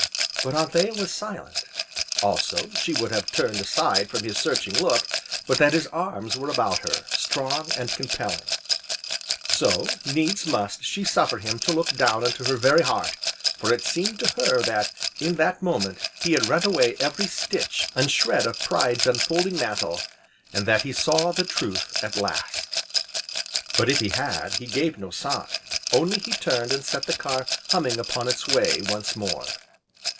But Anthea was silent, also, she would have turned aside from his searching look, but that his arms were about her, strong, and compelling. So, needs must she suffer him to look down into her very heart, for it seemed to her that, in that moment, he had rent away every stitch, and shred of Pride's enfolding mantle, and that he saw the truth, at last. But, if he had, he gave no sign, only he turned and set the car humming upon its way, once more.